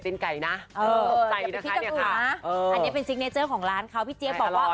ตีนไก่น่ะเออใจนะคะเนี้ยค่ะเอออันนี้เป็นของร้านเขาพี่เจี๊ยบบอกว่า